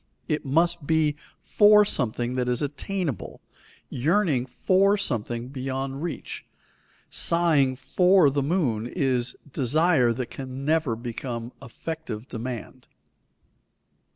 It must be for something that is attainable; yearning for something beyond reach, sighing for the moon, is desire that never can become effective demand.